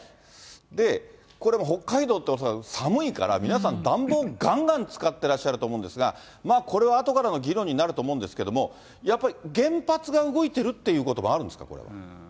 で、これも北海道って恐らく寒いから皆さん、暖房がんがん使ってらっしゃると思うんですが、これはあとからの議論になると思うんですけども、やっぱり、原発が動いているということもあるんですか、これは。